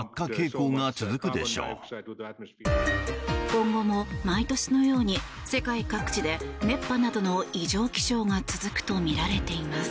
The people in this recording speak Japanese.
今後も毎年のように世界各地で熱波などの異常気象が続くとみられています。